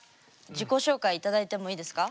自己紹介頂いてもいいですか？